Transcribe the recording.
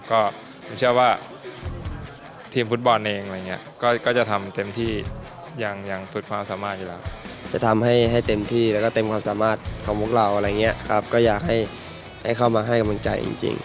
ก็ผมเชื่อว่าทีมฟุตบอลเอง